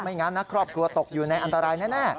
งั้นนะครอบครัวตกอยู่ในอันตรายแน่